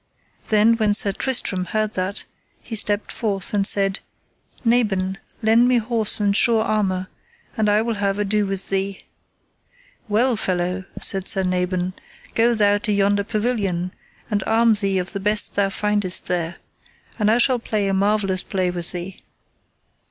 Then when Sir Tristram heard that, he stepped forth and said: Nabon, lend me horse and sure armour, and I will have ado with thee. Well, fellow, said Sir Nabon, go thou to yonder pavilion, and arm thee of the best thou findest there, and I shall play a marvellous play with thee.